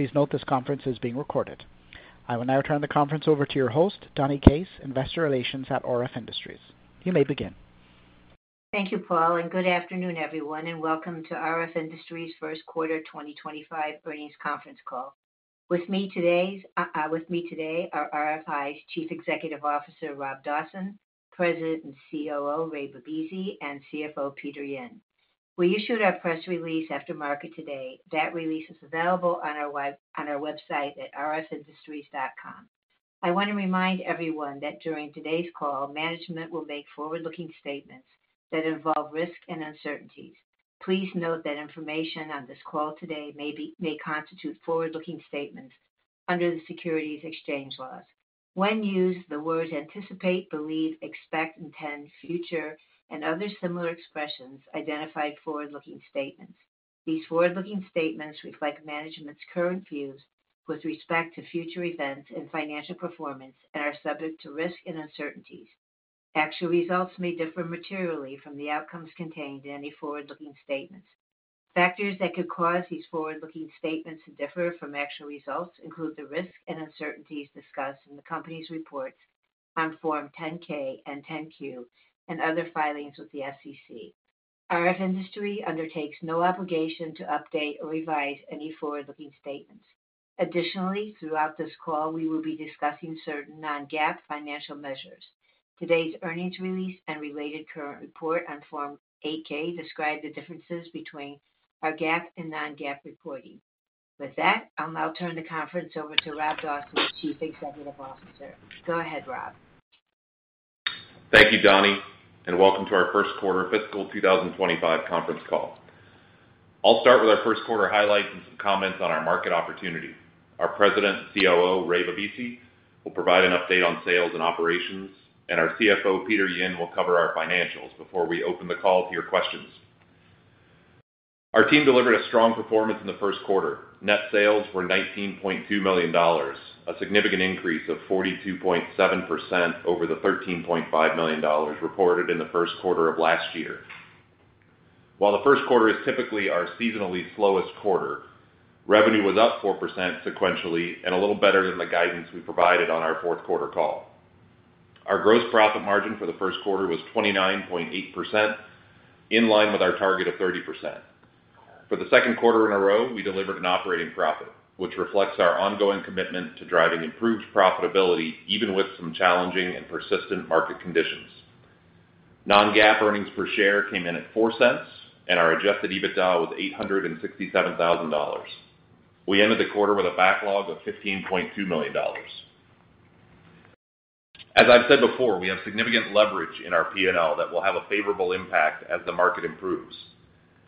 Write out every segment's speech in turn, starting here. Please note this conference is being recorded. I will now turn the conference over to your host, Donnie Case, Investor Relations at RF Industries. You may begin. Thank you, Paul, and good afternoon, everyone, and welcome to RF Industries' first quarter 2025 earnings conference call. With me today are RFI's Chief Executive Officer, Rob Dawson, President and COO, Ray Bibisi, and CFO, Peter Yin. We issued our press release after market today. That release is available on our website at rfindustries.com. I want to remind everyone that during today's call, management will make forward-looking statements that involve risk and uncertainties. Please note that information on this call today may constitute forward-looking statements under the securities exchange laws. When used the words anticipate, believe, expect, intend, future, and other similar expressions identify forward-looking statements. These forward-looking statements reflect management's current views with respect to future events and financial performance and are subject to risk and uncertainties. Actual results may differ materially from the outcomes contained in any forward-looking statements. Factors that could cause these forward-looking statements to differ from actual results include the risk and uncertainties discussed in the company's reports on Form 10-K and 10-Q and other filings with the SEC. RF Industries undertakes no obligation to update or revise any forward-looking statements. Additionally, throughout this call, we will be discussing certain non-GAAP financial measures. Today's earnings release and related current report on Form 8-K describe the differences between our GAAP and non-GAAP reporting. With that, I'll now turn the conference over to Rob Dawson, Chief Executive Officer. Go ahead, Rob. Thank you, Donnie, and welcome to our first quarter fiscal 2025 conference call. I'll start with our first quarter highlights and some comments on our market opportunity. Our President and COO, Ray Bibisi, will provide an update on sales and operations, and our CFO, Peter Yin, will cover our financials before we open the call to your questions. Our team delivered a strong performance in the first quarter. Net sales were $19.2 million, a significant increase of 42.7% over the $13.5 million reported in the first quarter of last year. While the first quarter is typically our seasonally slowest quarter, revenue was up 4% sequentially and a little better than the guidance we provided on our fourth quarter call. Our gross profit margin for the first quarter was 29.8%, in line with our target of 30%. For the second quarter in a row, we delivered an operating profit, which reflects our ongoing commitment to driving improved profitability even with some challenging and persistent market conditions. Non-GAAP earnings per share came in at $0.04, and our adjusted EBITDA was $867,000. We ended the quarter with a backlog of $15.2 million. As I've said before, we have significant leverage in our P&L that will have a favorable impact as the market improves,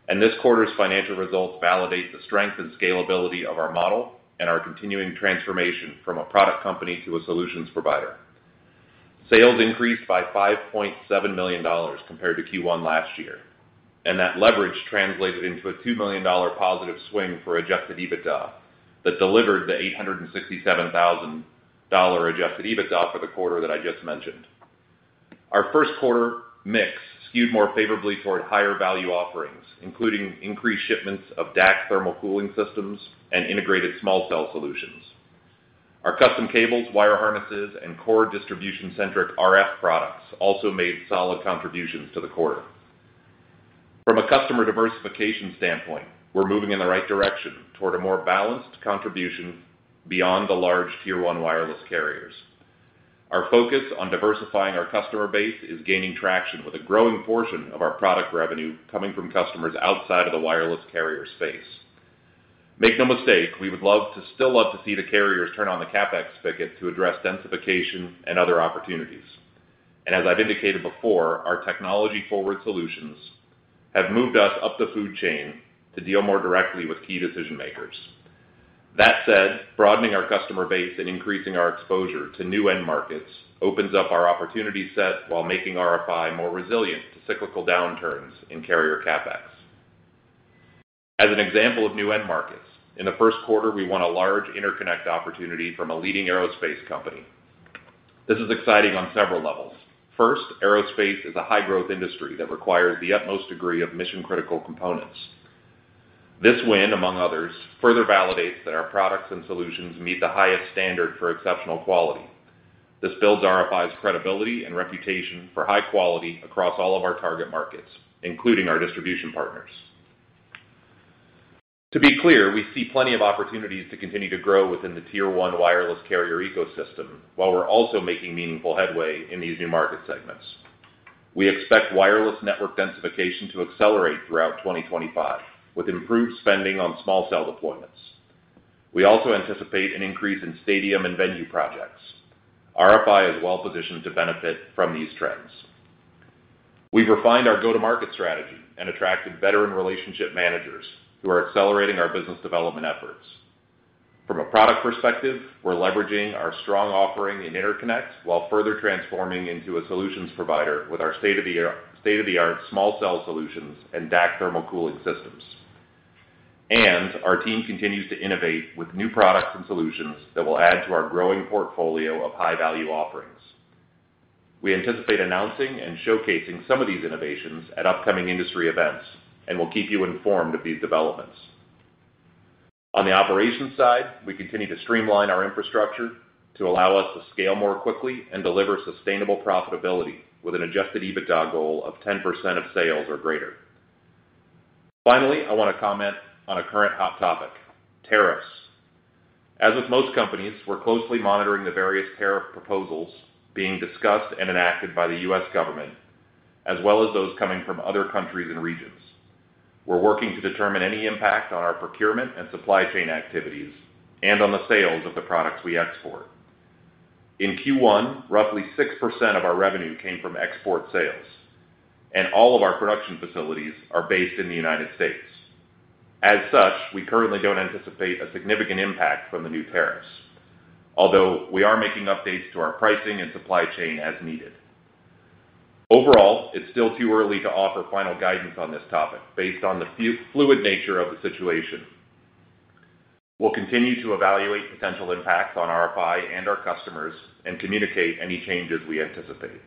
and this quarter's financial results validate the strength and scalability of our model and our continuing transformation from a product company to a solutions provider. Sales increased by $5.7 million compared to Q1 last year, and that leverage translated into a $2 million positive swing for adjusted EBITDA that delivered the $867,000 adjusted EBITDA for the quarter that I just mentioned. Our first quarter mix skewed more favorably toward higher value offerings, including increased shipments of DAC thermal cooling systems and integrated small cell solutions. Our custom cables, wire harnesses, and core distribution-centric RF products also made solid contributions to the quarter. From a customer diversification standpoint, we're moving in the right direction toward a more balanced contribution beyond the large tier one wireless carriers. Our focus on diversifying our customer base is gaining traction with a growing portion of our product revenue coming from customers outside of the wireless carrier space. Make no mistake, we would still love to see the carriers turn on the CapEx spigot to address densification and other opportunities. As I've indicated before, our technology-forward solutions have moved us up the food chain to deal more directly with key decision-makers. That said, broadening our customer base and increasing our exposure to new end markets opens up our opportunity set while making RFI more resilient to cyclical downturns in carrier CapEx. As an example of new end markets, in the first quarter, we won a large interconnect opportunity from a leading aerospace company. This is exciting on several levels. First, aerospace is a high-growth industry that requires the utmost degree of mission-critical components. This win, among others, further validates that our products and solutions meet the highest standard for exceptional quality. This builds RFI's credibility and reputation for high quality across all of our target markets, including our distribution partners. To be clear, we see plenty of opportunities to continue to grow within the tier one wireless carrier ecosystem while we're also making meaningful headway in these new market segments. We expect wireless network densification to accelerate throughout 2025 with improved spending on small cell deployments. We also anticipate an increase in stadium and venue projects. RF Industries is well positioned to benefit from these trends. We've refined our go-to-market strategy and attracted veteran relationship managers who are accelerating our business development efforts. From a product perspective, we're leveraging our strong offering in interconnect while further transforming into a solutions provider with our state-of-the-art small cell solutions and DAC thermal cooling systems. Our team continues to innovate with new products and solutions that will add to our growing portfolio of high-value offerings. We anticipate announcing and showcasing some of these innovations at upcoming industry events and will keep you informed of these developments. On the operations side, we continue to streamline our infrastructure to allow us to scale more quickly and deliver sustainable profitability with an adjusted EBITDA goal of 10% of sales or greater. Finally, I want to comment on a current hot topic: tariffs. As with most companies, we're closely monitoring the various tariff proposals being discussed and enacted by the U.S. government, as well as those coming from other countries and regions. We're working to determine any impact on our procurement and supply chain activities and on the sales of the products we export. In Q1, roughly 6% of our revenue came from export sales, and all of our production facilities are based in the United States. As such, we currently don't anticipate a significant impact from the new tariffs, although we are making updates to our pricing and supply chain as needed. Overall, it's still too early to offer final guidance on this topic based on the fluid nature of the situation. We'll continue to evaluate potential impacts on RF Industries and our customers and communicate any changes we anticipate.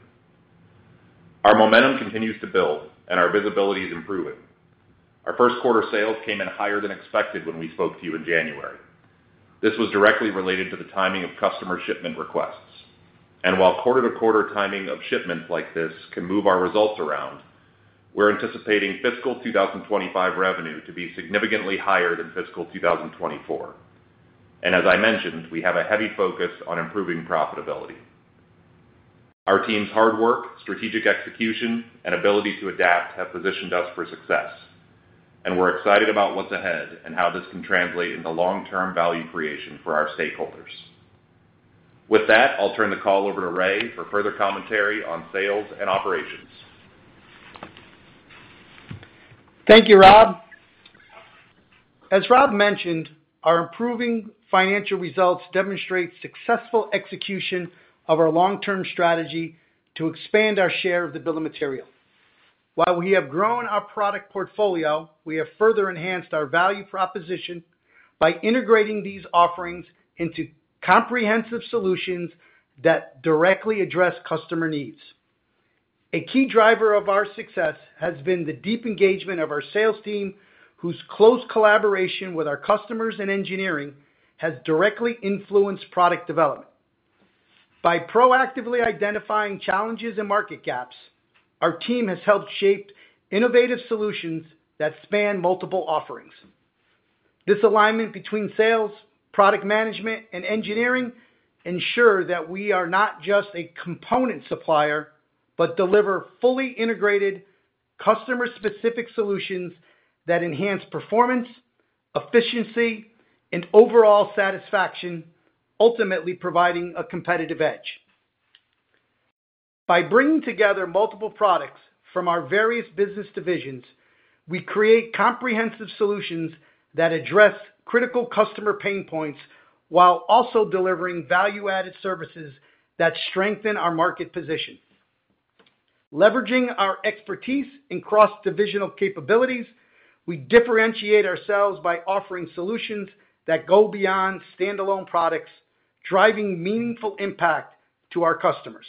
Our momentum continues to build, and our visibility is improving. Our first quarter sales came in higher than expected when we spoke to you in January. This was directly related to the timing of customer shipment requests. While quarter-to-quarter timing of shipments like this can move our results around, we're anticipating fiscal 2025 revenue to be significantly higher than fiscal 2024. As I mentioned, we have a heavy focus on improving profitability. Our team's hard work, strategic execution, and ability to adapt have positioned us for success, and we're excited about what's ahead and how this can translate into long-term value creation for our stakeholders. With that, I'll turn the call over to Ray for further commentary on sales and operations. Thank you, Rob. As Rob mentioned, our improving financial results demonstrate successful execution of our long-term strategy to expand our share of the bill of material. While we have grown our product portfolio, we have further enhanced our value proposition by integrating these offerings into comprehensive solutions that directly address customer needs. A key driver of our success has been the deep engagement of our sales team, whose close collaboration with our customers and engineering has directly influenced product development. By proactively identifying challenges and market gaps, our team has helped shape innovative solutions that span multiple offerings. This alignment between sales, product management, and engineering ensures that we are not just a component supplier but deliver fully integrated, customer-specific solutions that enhance performance, efficiency, and overall satisfaction, ultimately providing a competitive edge. By bringing together multiple products from our various business divisions, we create comprehensive solutions that address critical customer pain points while also delivering value-added services that strengthen our market position. Leveraging our expertise and cross-divisional capabilities, we differentiate ourselves by offering solutions that go beyond standalone products, driving meaningful impact to our customers.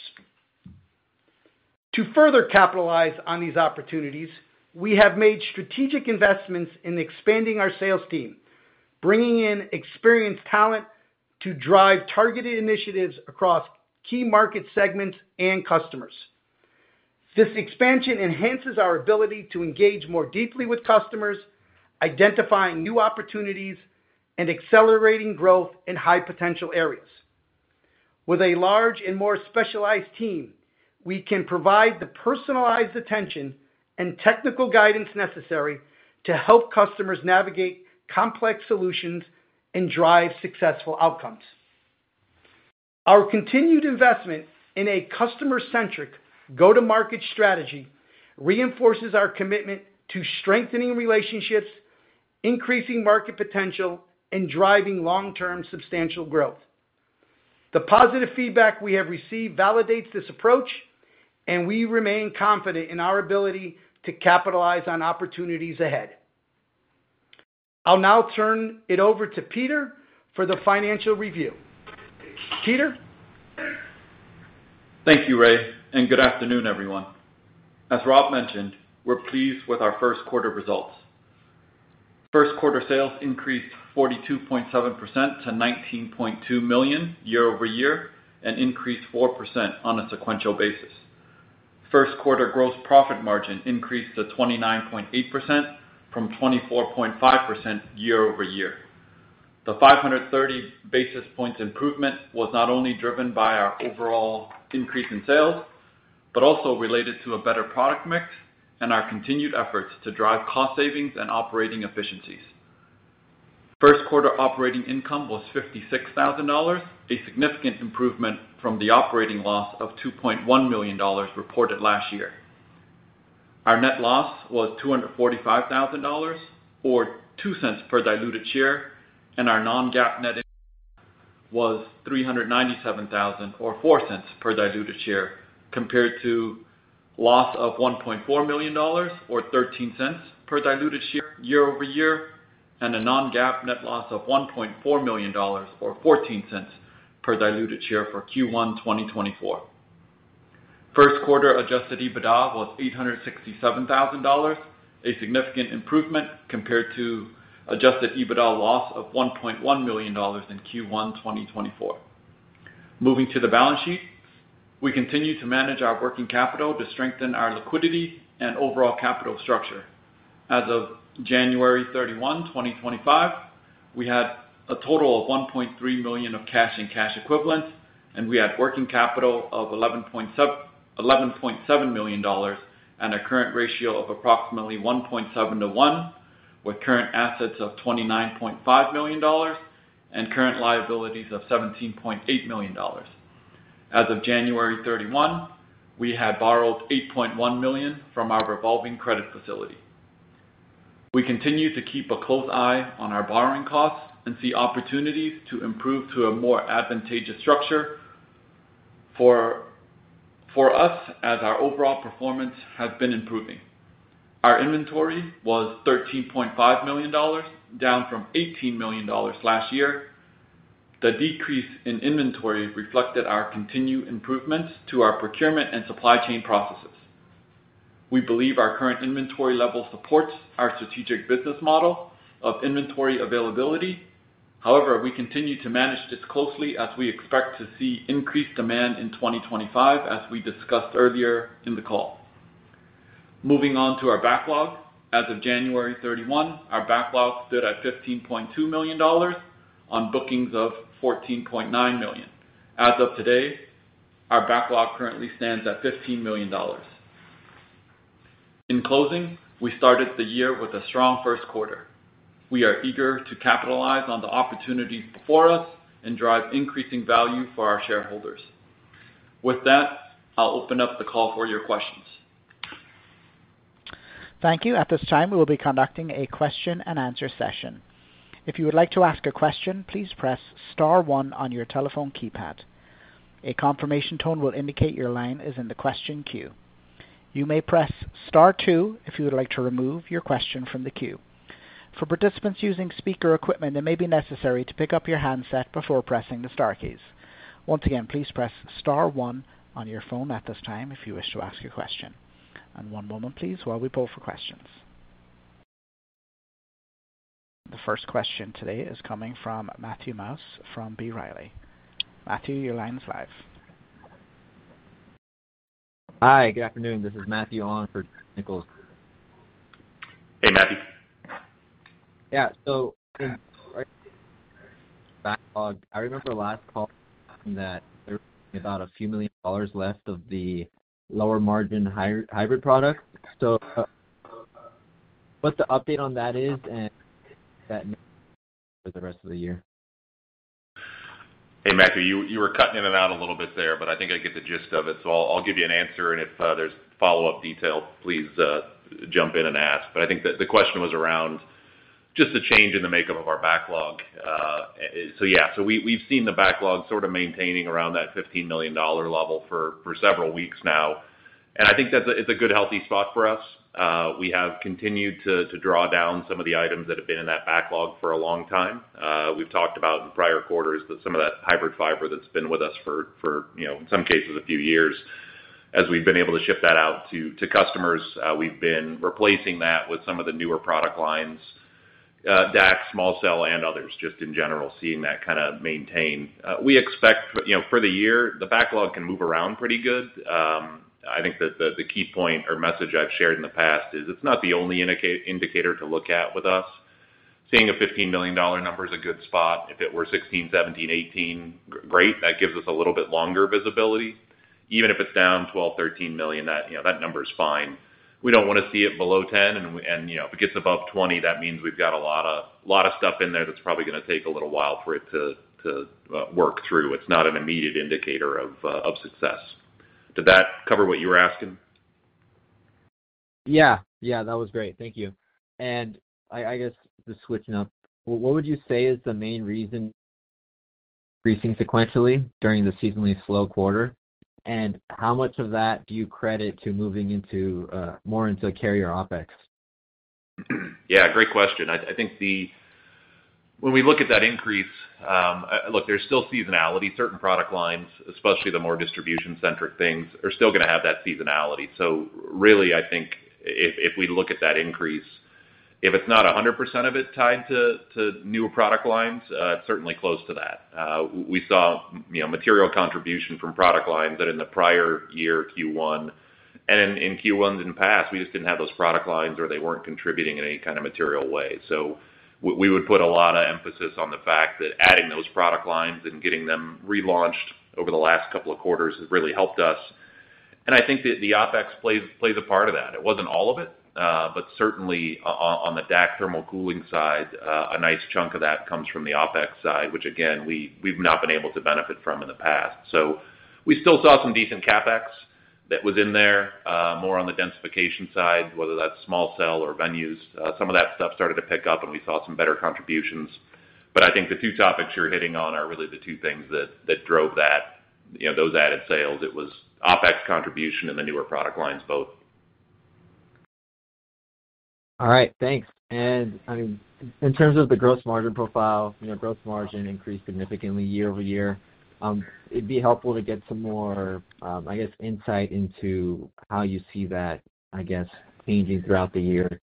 To further capitalize on these opportunities, we have made strategic investments in expanding our sales team, bringing in experienced talent to drive targeted initiatives across key market segments and customers. This expansion enhances our ability to engage more deeply with customers, identifying new opportunities, and accelerating growth in high-potential areas. With a large and more specialized team, we can provide the personalized attention and technical guidance necessary to help customers navigate complex solutions and drive successful outcomes. Our continued investment in a customer-centric go-to-market strategy reinforces our commitment to strengthening relationships, increasing market potential, and driving long-term substantial growth. The positive feedback we have received validates this approach, and we remain confident in our ability to capitalize on opportunities ahead. I'll now turn it over to Peter for the financial review. Peter. Thank you, Ray, and good afternoon, everyone. As Rob mentioned, we're pleased with our first quarter results. First quarter sales increased 42.7% to $19.2 million year-over-year and increased 4% on a sequential basis. First quarter gross profit margin increased to 29.8% from 24.5% year-over-year. The 530 basis points improvement was not only driven by our overall increase in sales but also related to a better product mix and our continued efforts to drive cost savings and operating efficiencies. First quarter operating income was $56,000, a significant improvement from the operating loss of $2.1 million reported last year. Our net loss was $245,000 or $0.02 per diluted share, and our non-GAAP net was $397,000 or $0.04 per diluted share compared to loss of $1.4 million or $0.13 per diluted share year-over-year and a non-GAAP net loss of $1.4 million or $0.14 per diluted share for Q1 2024. First quarter adjusted EBITDA was $867,000, a significant improvement compared to adjusted EBITDA loss of $1.1 million in Q1 2024. Moving to the balance sheet, we continue to manage our working capital to strengthen our liquidity and overall capital structure. As of January 31, 2025, we had a total of $1.3 million of cash and cash equivalents, and we had working capital of $11.7 million and a current ratio of approximately 1.7 to 1, with current assets of $29.5 million and current liabilities of $17.8 million. As of January 31, we had borrowed $8.1 million from our revolving credit facility. We continue to keep a close eye on our borrowing costs and see opportunities to improve to a more advantageous structure for us as our overall performance has been improving. Our inventory was $13.5 million, down from $18 million last year. The decrease in inventory reflected our continued improvements to our procurement and supply chain processes. We believe our current inventory level supports our strategic business model of inventory availability. However, we continue to manage this closely as we expect to see increased demand in 2025, as we discussed earlier in the call. Moving on to our backlog, as of January 31, our backlog stood at $15.2 million on bookings of $14.9 million. As of today, our backlog currently stands at $15 million. In closing, we started the year with a strong first quarter. We are eager to capitalize on the opportunities before us and drive increasing value for our shareholders. With that, I'll open up the call for your questions. Thank you. At this time, we will be conducting a question-and-answer session. If you would like to ask a question, please press Star 1 on your telephone keypad. A confirmation tone will indicate your line is in the question queue. You may press Star 2 if you would like to remove your question from the queue. For participants using speaker equipment, it may be necessary to pick up your handset before pressing the Star keys. Once again, please press Star 1 on your phone at this time if you wish to ask your question. One moment, please, while we pull for questions. The first question today is coming from Matthew Mouse from B. Riley. Matthew, your line is live. Hi, good afternoon. This is Matthew on for Nicholas. Hey, Matthew. Yeah, so backlog, I remember last call that there was about a few million dollars left of the lower margin hybrid product. What the update on that is and that for the rest of the year. Hey, Matthew, you were cutting in and out a little bit there, but I think I get the gist of it. I will give you an answer, and if there is follow-up detail, please jump in and ask. I think the question was around just a change in the makeup of our backlog. Yeah, we have seen the backlog sort of maintaining around that $15 million level for several weeks now. I think it is a good, healthy spot for us. We have continued to draw down some of the items that have been in that backlog for a long time. We've talked about in prior quarters that some of that hybrid fiber that's been with us for, in some cases, a few years, as we've been able to shift that out to customers, we've been replacing that with some of the newer product lines, DAC, small cell, and others, just in general, seeing that kind of maintain. We expect for the year, the backlog can move around pretty good. I think that the key point or message I've shared in the past is it's not the only indicator to look at with us. Seeing a $15 million number is a good spot. If it were 16, 17, 18, great. That gives us a little bit longer visibility. Even if it's down 12, 13 million, that number is fine. We don't want to see it below 10, and if it gets above 20, that means we've got a lot of stuff in there that's probably going to take a little while for it to work through. It's not an immediate indicator of success. Did that cover what you were asking? Yeah. Yeah, that was great. Thank you. I guess just switching up, what would you say is the main reason increasing sequentially during the seasonally slow quarter? How much of that do you credit to moving more into carrier OpEx? Yeah, great question. I think when we look at that increase, look, there's still seasonality. Certain product lines, especially the more distribution-centric things, are still going to have that seasonality. Really, I think if we look at that increase, if it's not 100% of it tied to newer product lines, it's certainly close to that. We saw material contribution from product lines that in the prior year, Q1, and in Q1s in the past, we just didn't have those product lines or they weren't contributing in any kind of material way. We would put a lot of emphasis on the fact that adding those product lines and getting them relaunched over the last couple of quarters has really helped us. I think that the OpEx plays a part of that. It wasn't all of it, but certainly on the DAC thermal cooling side, a nice chunk of that comes from the OpEx side, which, again, we've not been able to benefit from in the past. We still saw some decent CapEx that was in there more on the densification side, whether that's small cell or venues. Some of that stuff started to pick up, and we saw some better contributions. I think the two topics you're hitting on are really the two things that drove those added sales. It was OpEx contribution and the newer product lines both. All right. Thanks. In terms of the gross margin profile, gross margin increased significantly year-over-year. It'd be helpful to get some more, I guess, insight into how you see that, I guess, changing throughout the year.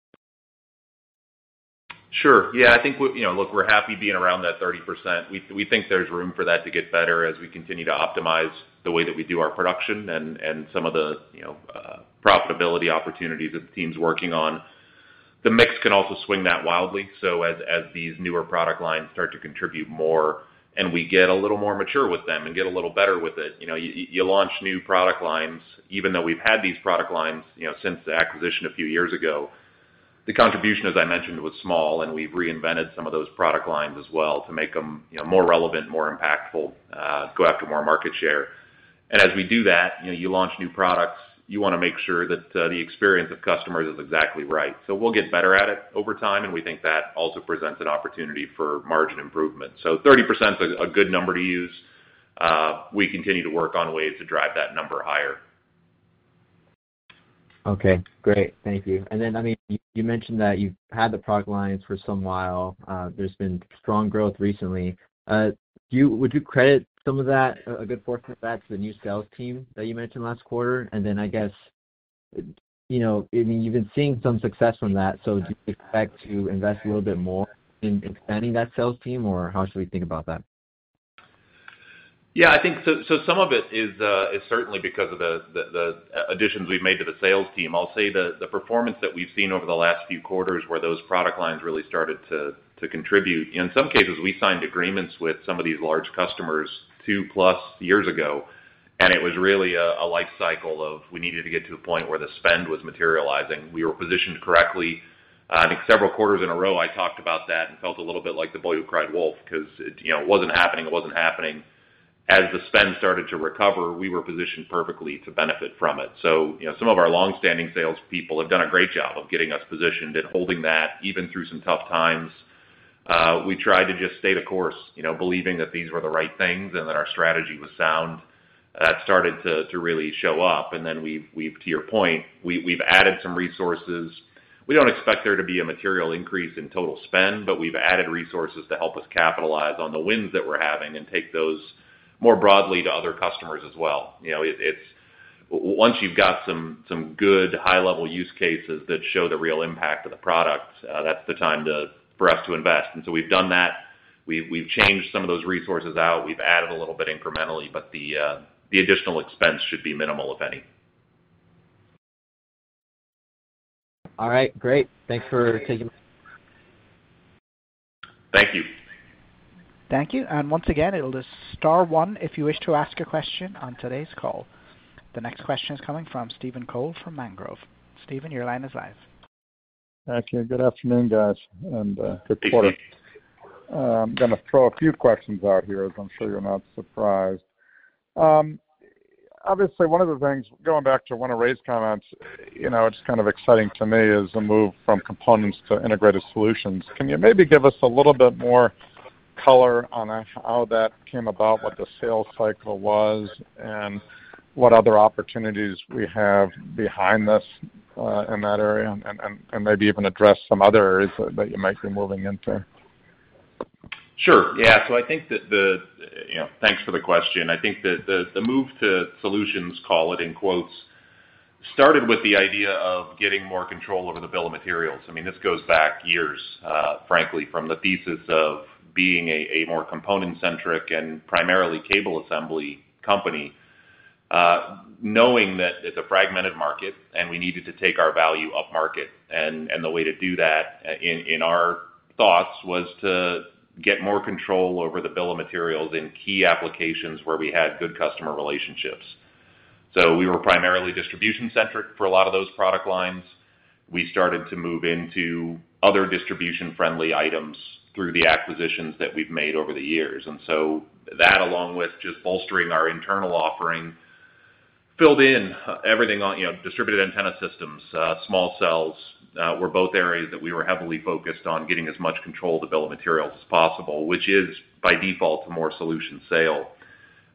Sure. Yeah, I think, look, we're happy being around that 30%. We think there's room for that to get better as we continue to optimize the way that we do our production and some of the profitability opportunities that the team's working on. The mix can also swing that wildly. As these newer product lines start to contribute more and we get a little more mature with them and get a little better with it, you launch new product lines. Even though we've had these product lines since the acquisition a few years ago, the contribution, as I mentioned, was small, and we've reinvented some of those product lines as well to make them more relevant, more impactful, go after more market share. As we do that, you launch new products, you want to make sure that the experience of customers is exactly right. We'll get better at it over time, and we think that also presents an opportunity for margin improvement. 30% is a good number to use. We continue to work on ways to drive that number higher. Okay. Great. Thank you. I mean, you mentioned that you've had the product lines for some while. There's been strong growth recently. Would you credit some of that, a good portion of that, to the new sales team that you mentioned last quarter? I mean, you've been seeing some success from that. Do you expect to invest a little bit more in expanding that sales team, or how should we think about that? Yeah, I think so. Some of it is certainly because of the additions we've made to the sales team. I'll say the performance that we've seen over the last few quarters where those product lines really started to contribute. In some cases, we signed agreements with some of these large customers two-plus years ago, and it was really a life cycle of we needed to get to a point where the spend was materializing. We were positioned correctly. I think several quarters in a row, I talked about that and felt a little bit like the boy who cried wolf because it wasn't happening. It wasn't happening. As the spend started to recover, we were positioned perfectly to benefit from it. Some of our long-standing salespeople have done a great job of getting us positioned and holding that even through some tough times. We tried to just stay the course, believing that these were the right things and that our strategy was sound. That started to really show up. To your point, we've added some resources. We don't expect there to be a material increase in total spend, but we've added resources to help us capitalize on the wins that we're having and take those more broadly to other customers as well. Once you've got some good high-level use cases that show the real impact of the product, that's the time for us to invest. We've done that. We've changed some of those resources out. We've added a little bit incrementally, but the additional expense should be minimal, if any. All right. Great. Thanks for taking the time. Thank you. Thank you. Once again, it'll be Star 1 if you wish to ask a question on today's call. The next question is coming from Stephen Cole from Mangrove. Stephen, your line is live. Thank you. Good afternoon, guys, and good quarter. I'm going to throw a few questions out here, as I'm sure you're not surprised. Obviously, one of the things going back to one of Ray's comments, it's kind of exciting to me, is the move from components to integrated solutions. Can you maybe give us a little bit more color on how that came about, what the sales cycle was, and what other opportunities we have behind us in that area, and maybe even address some other areas that you might be moving into? Sure. Yeah. I think that the thanks for the question. I think that the move to solutions, call it in quotes, started with the idea of getting more control over the bill of materials. I mean, this goes back years, frankly, from the thesis of being a more component-centric and primarily cable assembly company, knowing that it's a fragmented market and we needed to take our value up market. The way to do that, in our thoughts, was to get more control over the bill of materials in key applications where we had good customer relationships. We were primarily distribution-centric for a lot of those product lines. We started to move into other distribution-friendly items through the acquisitions that we've made over the years. That, along with just bolstering our internal offering, filled in everything on distributed antenna systems, small cells. Were both areas that we were heavily focused on getting as much control of the bill of materials as possible, which is, by default, a more solution sale.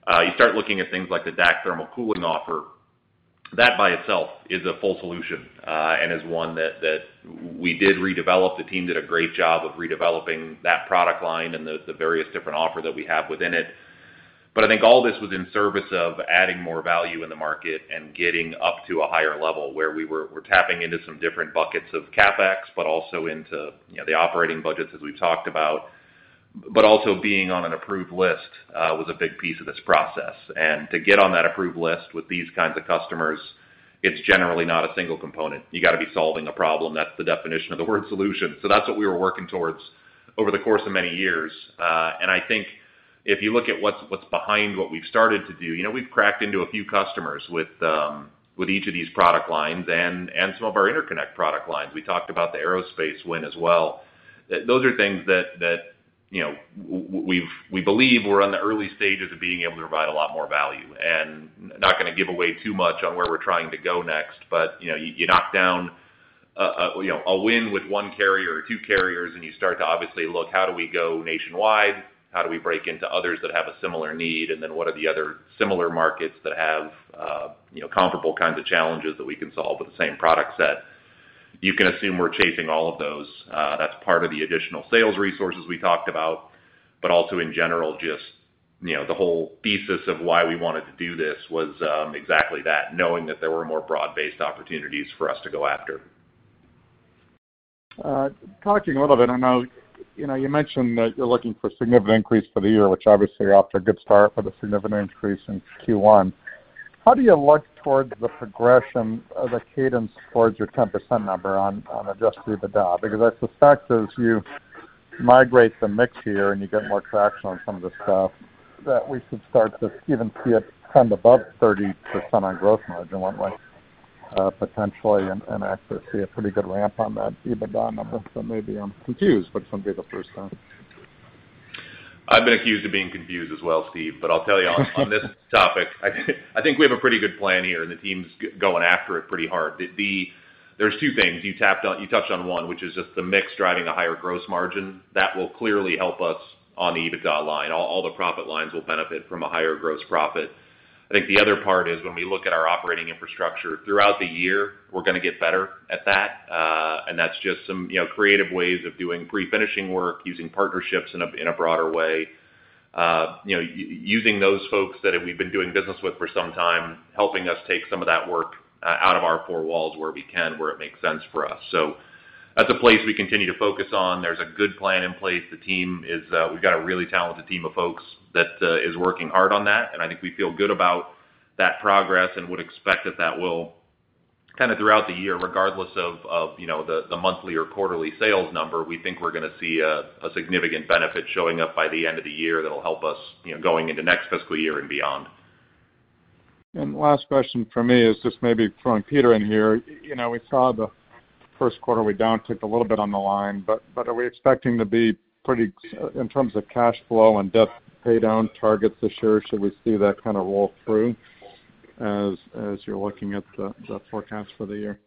You start looking at things like the DAC thermal cooling offer. That by itself is a full solution and is one that we did redevelop. The team did a great job of redeveloping that product line and the various different offer that we have within it. I think all this was in service of adding more value in the market and getting up to a higher level where we were tapping into some different buckets of CapEx, but also into the operating budgets, as we've talked about. Also, being on an approved list was a big piece of this process. To get on that approved list with these kinds of customers, it's generally not a single component. You got to be solving a problem. That's the definition of the word solution. That's what we were working towards over the course of many years. I think if you look at what's behind what we've started to do, we've cracked into a few customers with each of these product lines and some of our interconnect product lines. We talked about the aerospace win as well. Those are things that we believe we're on the early stages of being able to provide a lot more value. I'm not going to give away too much on where we're trying to go next, but you knock down a win with one carrier or two carriers, and you start to obviously look, how do we go nationwide? How do we break into others that have a similar need? What are the other similar markets that have comparable kinds of challenges that we can solve with the same product set? You can assume we're chasing all of those. That's part of the additional sales resources we talked about, but also in general, just the whole thesis of why we wanted to do this was exactly that, knowing that there were more broad-based opportunities for us to go after. Talking a little bit, I know you mentioned that you're looking for a significant increase for the year, which obviously offered a good start for the significant increase in Q1. How do you look towards the progression of the cadence towards your 10% number on adjusting the DAC? Because I suspect as you migrate the mix here and you get more traction on some of this stuff, that we should start to even see it trend above 30% on gross margin, wouldn't we? Potentially, and actually see a pretty good ramp on that EBITDA number. Maybe I'm confused, but it's going to be the first time. I've been accused of being confused as well, Steve, but I'll tell you on this topic, I think we have a pretty good plan here, and the team's going after it pretty hard. There are two things. You touched on one, which is just the mix driving a higher gross margin. That will clearly help us on the EBITDA line. All the profit lines will benefit from a higher gross profit. I think the other part is when we look at our operating infrastructure throughout the year, we're going to get better at that. That is just some creative ways of doing pre-finishing work, using partnerships in a broader way, using those folks that we've been doing business with for some time, helping us take some of that work out of our four walls where we can, where it makes sense for us. That's a place we continue to focus on. There's a good plan in place. The team is, we've got a really talented team of folks that is working hard on that. I think we feel good about that progress and would expect that that will kind of throughout the year, regardless of the monthly or quarterly sales number, we think we're going to see a significant benefit showing up by the end of the year that'll help us going into next fiscal year and beyond. Last question for me is just maybe throwing Peter in here. We saw the first quarter we down, ticked a little bit on the line, but are we expecting to be pretty in terms of cash flow and debt paydown targets this year? Should we see that kind of roll through as you're looking at the forecast for the year?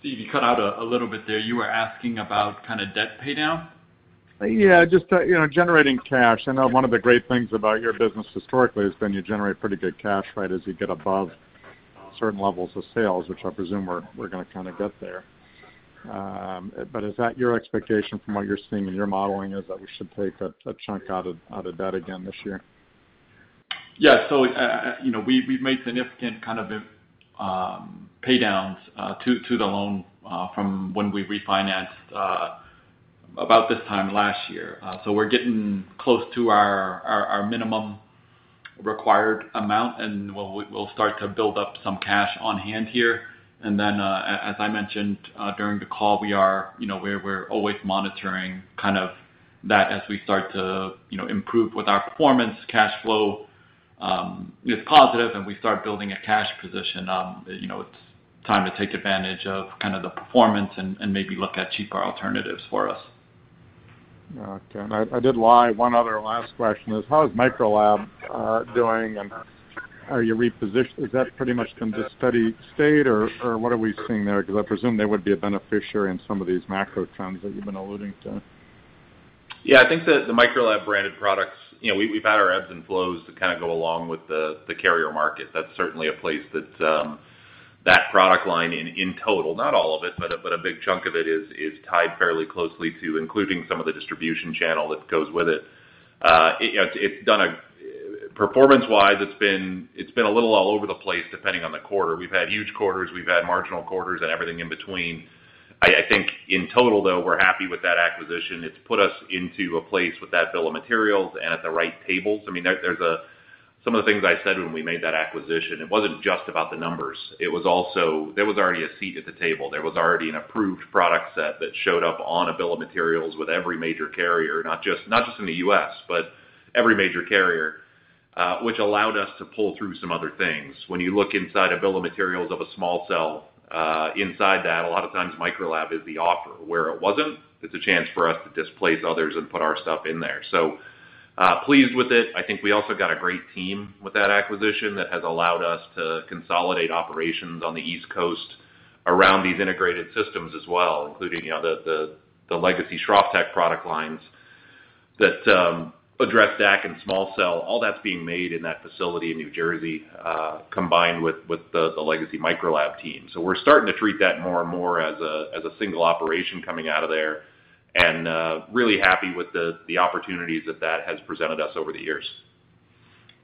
Steve, you cut out a little bit there. You were asking about kind of debt paydown? Yeah, just generating cash. I know one of the great things about your business historically has been you generate pretty good cash rate as you get above certain levels of sales, which I presume we're going to kind of get there. Is that your expectation from what you're seeing in your modeling is that we should take a chunk out of that again this year? Yeah. We have made significant kind of paydowns to the loan from when we refinanced about this time last year. We are getting close to our minimum required amount, and we will start to build up some cash on hand here. As I mentioned during the call, we are always monitoring kind of that as we start to improve with our performance. Cash flow is positive, and we start building a cash position. It is time to take advantage of kind of the performance and maybe look at cheaper alternatives for us. Okay. I did lie. One other last question is, how is MicroLab doing? And are you repositioned? Is that pretty much in the steady state, or what are we seeing there? Because I presume they would be a beneficiary in some of these macro trends that you've been alluding to. Yeah. I think that the MicroLab branded products, we've had our ebbs and flows that kind of go along with the carrier market. That's certainly a place that that product line in total, not all of it, but a big chunk of it is tied fairly closely to including some of the distribution channel that goes with it. It's done a performance-wise, it's been a little all over the place depending on the quarter. We've had huge quarters. We've had marginal quarters and everything in between. I think in total, though, we're happy with that acquisition. It's put us into a place with that bill of materials and at the right tables. I mean, some of the things I said when we made that acquisition, it wasn't just about the numbers. It was also there was already a seat at the table. There was already an approved product set that showed up on a bill of materials with every major carrier, not just in the U.S., but every major carrier, which allowed us to pull through some other things. When you look inside a bill of materials of a small cell, inside that, a lot of times MicroLab is the offer. Where it wasn't, it's a chance for us to displace others and put our stuff in there. Pleased with it. I think we also got a great team with that acquisition that has allowed us to consolidate operations on the East Coast around these integrated systems as well, including the legacy SchroffTech product lines that address DAC and small cell. All that's being made in that facility in New Jersey combined with the legacy MicroLab team. We're starting to treat that more and more as a single operation coming out of there and really happy with the opportunities that that has presented us over the years.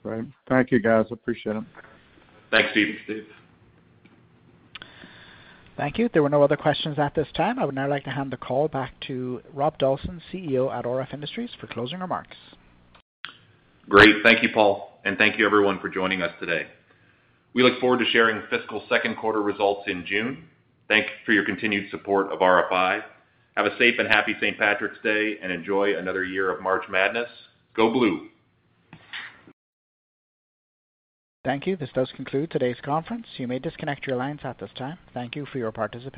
Great. Thank you, guys. Appreciate it. Thanks, Steve. Thank you. There were no other questions at this time. I would now like to hand the call back to Rob Dawson, CEO at RF Industries, for closing remarks. Great. Thank you, Paul. Thank you, everyone, for joining us today. We look forward to sharing fiscal second quarter results in June. Thank you for your continued support of RF Industries. Have a safe and happy St. Patrick's Day and enjoy another year of March Madness. Go Blue. Thank you. This does conclude today's conference. You may disconnect your lines at this time. Thank you for your participation.